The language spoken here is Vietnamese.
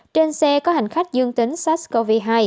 trên xe có hành khách dương tính sars cov hai